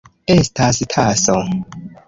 Estas taso.